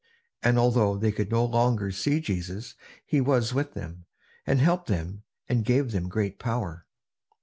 And although they could no longer see Jesus, he was with them, and helped them, and gave them great power.